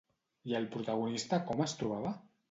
I el protagonista com es trobava?